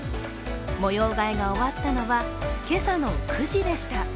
模様替えが終わったのは今朝の９時でした。